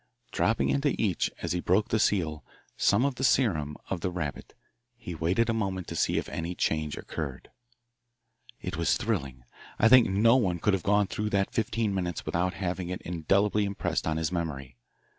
Dropping into each, as he broke the seal, some of the serum of the rabbit, he waited a moment to see if any change occurred. It was thrilling. I think no one could have gone through that fifteen minutes without having it indelibly impressed on his memory.